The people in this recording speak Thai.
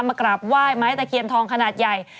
มากราบไหว้ไม้ตะเคียนทองขนาดใหญ่